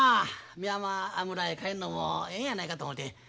美山村へ帰んのもええんやないかと思て。